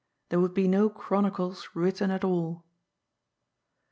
There would be no chronicles written at all.